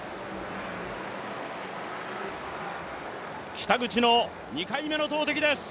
北口の２回目の投てきです。